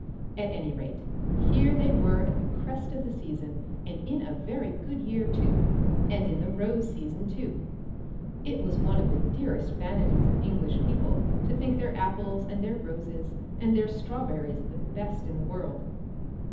At any rate, here they were at the crest of the season, and in a very good year. And in the rose season too. It was one of the dearest vanities of English people to think their apples and their roses and their strawberries the best in the world.